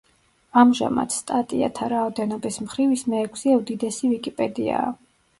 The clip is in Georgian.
ამჟამად, სტატიათა რაოდენობის მხრივ ის მეექვსე უდიდესი ვიკიპედიაა.